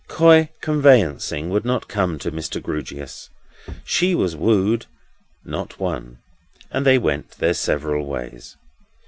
Coy Conveyancing would not come to Mr. Grewgious. She was wooed, not won, and they went their several ways.